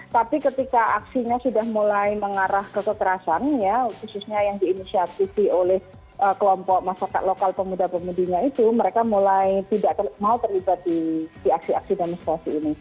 tapi ketika aksinya sudah mulai mengarah ke kekerasan ya khususnya yang diinisiatifi oleh kelompok masyarakat lokal pemuda pemudinya itu mereka mulai tidak mau terlibat di aksi aksi demonstrasi ini